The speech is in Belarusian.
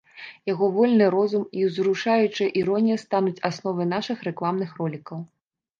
Яго вольны розум і ўзрушаючая іронія стануць асновай нашых рэкламных ролікаў.